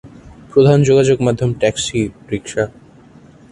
প্রধান যোগাযোগ মাধ্যম টেক্সী/রিক্সা।